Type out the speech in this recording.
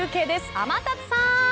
天達さん。